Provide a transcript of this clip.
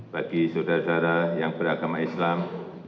bagi saudara saudara yang beragama islam